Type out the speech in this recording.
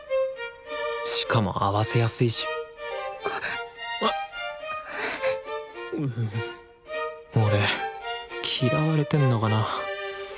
しかも合わせやすいし俺嫌われてんのかな。